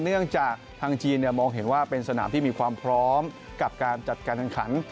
เนื่องจากทางจีนมองเห็นว่าเป็นสนามที่มีความพร้อมกับการจัดการแข่งขัน